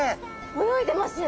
泳いでます。